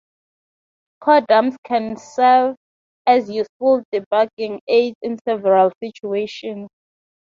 Core dumps can serve as useful debugging aids in several situations.